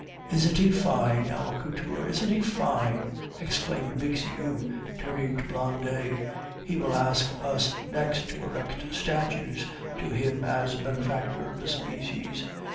"Isn't he fine, our Couture? Isn't he fine?" exclaimed Bixiou, turning to Blondet. "He will ask us next to erect statues to him as a benefactor of the species."